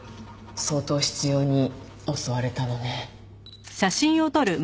相当執拗に襲われたのね。